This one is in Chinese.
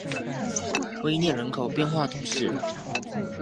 威涅人口变化图示